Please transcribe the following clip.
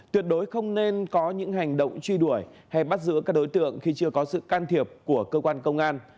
tuyệt đối không nên có những hành động truy đuổi hay bắt giữ các đối tượng khi chưa có sự can thiệp của cơ quan công an